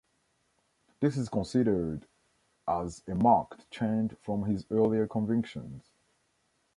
This is considered as a marked change from his earlier convictions.